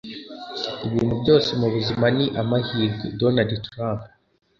ibintu byose mubuzima ni amahirwe. - donald trump